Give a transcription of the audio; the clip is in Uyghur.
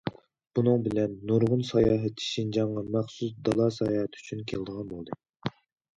بۇنىڭ بىلەن نۇرغۇن ساياھەتچى شىنجاڭغا مەخسۇس دالا ساياھىتى ئۈچۈن كېلىدىغان بولدى.